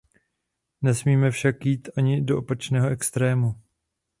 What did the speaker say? Nesmíme však jít ani do opačného extrému.